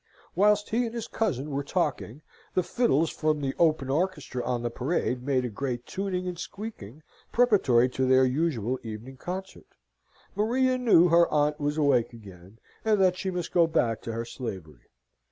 Whilst he and his cousin were talking, the fiddles from the open orchestra on the Parade made a great tuning and squeaking, preparatory to their usual evening concert. Maria knew her aunt was awake again, and that she must go back to her slavery.